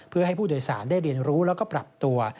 เพื่อให้ผู้โดยสารได้เรียนรู้แล้วก็ปรับตัว